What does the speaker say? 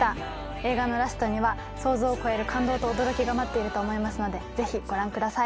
映画のラストには想像を超える感動と驚きが待っていると思いますのでぜひご覧ください。